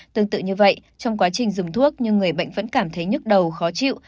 tương tự như vậy trong quá trình dùng thuốc nhưng người bệnh vẫn cảm thấy nhức đầu khó chịu